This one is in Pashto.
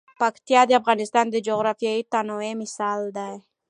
پکتیا د افغانستان د جغرافیوي تنوع مثال دی.